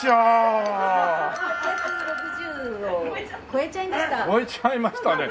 超えちゃいましたね。